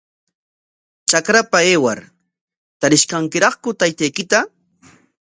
Trakrapa aywar, ¿tarish kankiraqku taytaykita?